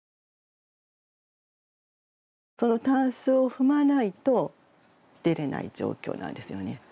そのタンスを踏まないと出れない状況なんですよね。